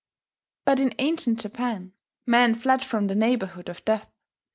..." But in ancient Japan, men fled from the neighbourhood of death.